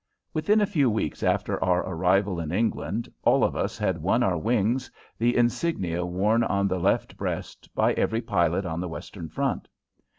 Within a few weeks after our arrival in England all of us had won our "wings" the insignia worn on the left breast by every pilot on the western front.